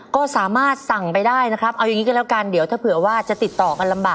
ก็สามารถสั่งไปได้นะครับเอาอย่างนี้ก็แล้วกันเดี๋ยวถ้าเผื่อว่าจะติดต่อกันลำบาก